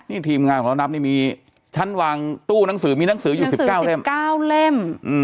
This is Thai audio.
นี่ทีมงานของเรานับนี่มีชั้นวางตู้หนังสือมีหนังสืออยู่๑๙เล่ม๙เล่ม